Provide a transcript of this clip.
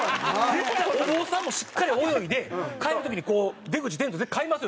絶対お坊さんもしっかり泳いで帰る時にこう出口出んと絶対買いますよね。